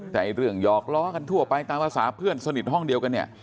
แต่เรื่องหยอกล้อกันทั่วไปตามภาษาเพื่อนสนิทห้องเดียวกันเนี่ย